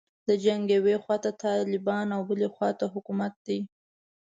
د جنګ یوې خواته طالبان او بلې خواته حکومت دی.